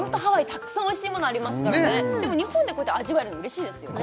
たくさんおいしいものありますからねでも日本でこうやって味わえるのうれしいですよね